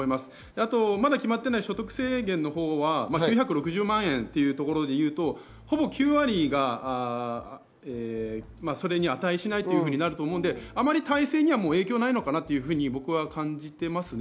あと、まだ決まっていない所得制限のほうは９６０万ということでいうと、ほぼ９割がそれに値しないということになると思うので、大勢には影響しないのかなと僕は感じていますね。